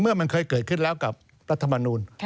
เมื่อมันเคยเกิดขึ้นแล้วกับรัฐมนูล